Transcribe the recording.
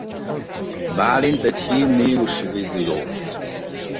Bálint egy hím nílusi víziló.